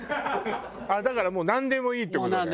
だからもうなんでもいいって事ね。